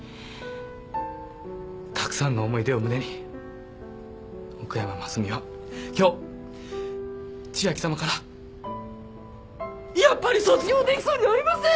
たくさんの思い出を胸に奥山真澄は今日千秋さまから。やっぱり卒業できそうにありません！